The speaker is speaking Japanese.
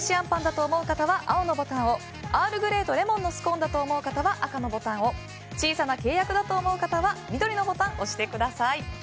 ぱんだと思う方は青のボタンをアールグレイとレモンのスコーンだと思う方は赤のボタンを小さな契約だと思う方は緑のボタンを押してください。